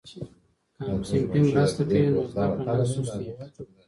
که همصنفي مرسته کوي نو زده کړه نه سستېږي.